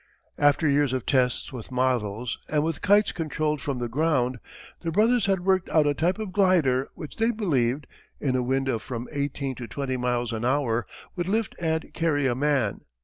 After years of tests with models, and with kites controlled from the ground, the brothers had worked out a type of glider which they believed, in a wind of from eighteen to twenty miles an hour, would lift and carry a man.